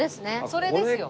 それですよ。